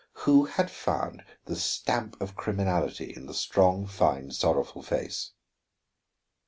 Who had found the stamp of criminality in the strong, fine, sorrowful face?